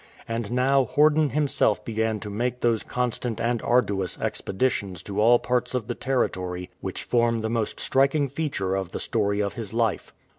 And now Horden himself began to make those constant and arduous expeditions to all parts of the territory which form the most striking feature of the story of his life.